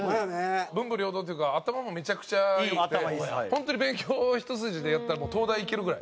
文武両道っていうか頭もめちゃくちゃ良くて本当に勉強一筋でやったら東大行けるぐらい。